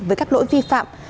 với các lỗi vi phạm